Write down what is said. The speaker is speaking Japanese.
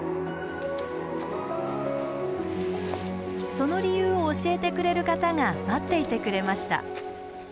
その理由を教えてくれる方が待っていてくれました。